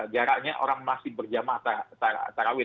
jaraknya orang masih berjama terawih